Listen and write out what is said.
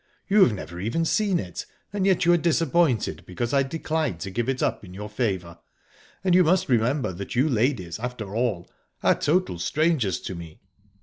You have never even seen it, and yet you are disappointed because I decline to give it up in your favour. And you must remember that you ladies, after all, are total strangers to me."